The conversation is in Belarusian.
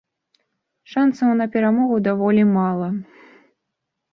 Шанцаў на перамогу даволі мала.